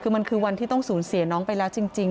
คือมันคือวันที่ต้องสูญเสียน้องไปแล้วจริง